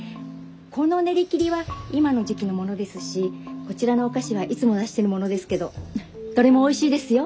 この練り切りは今の時期のものですしこちらのお菓子はいつも出してるものですけどどれもおいしいですよ。